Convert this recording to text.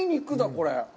これ。